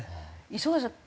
礒貝さん